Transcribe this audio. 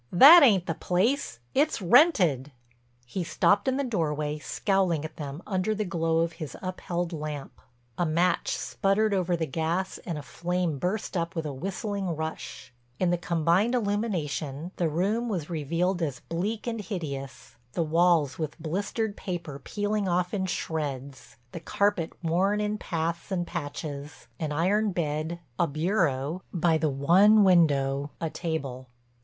That ain't the place—it's rented." [Illustration: His face was ludicrous in its enraged enmity] He stopped in the doorway, scowling at them under the glow of his upheld lamp. A match sputtered over the gas and a flame burst up with a whistling rush. In the combined illumination the room was revealed as bleak and hideous, the walls with blistered paper peeling off in shreds, the carpet worn in paths and patches, an iron bed, a bureau, by the one window, a table.